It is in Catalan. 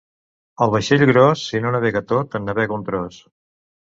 El vaixell gros, si no navega tot, en navega un tros.